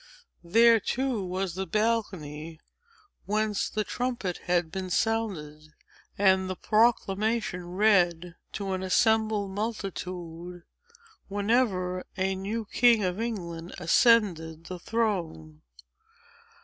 There, too, was the balcony whence the trumpet had been sounded, and the proclamation read to an assembled multitude, whenever a new king of England ascended the throne.